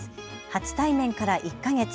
初対面から１か月。